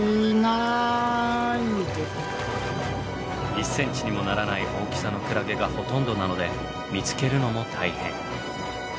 １ｃｍにもならない大きさのクラゲがほとんどなので見つけるのも大変。